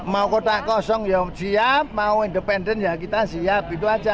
mau kotak kosong ya siap mau independen ya kita siap gitu aja